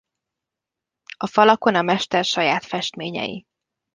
A falakon a Mester saját festményei.